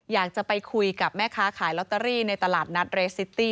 อยากจะไปคุยกับแม่ค้าขายลอตเตอรี่ในตลาดนัดเรสซิตี้